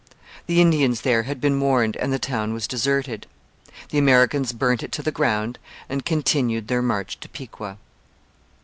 The Indians there had been warned and the town was deserted. The Americans burnt it to the ground and continued their march to Piqua.